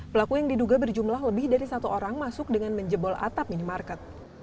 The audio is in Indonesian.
pelaku yang diduga berjumlah lebih dari satu orang masuk dengan menjebol atap minimarket